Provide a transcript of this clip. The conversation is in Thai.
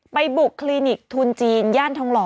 ไปบุกคลินิกทุนจีนย่านทองหล่อ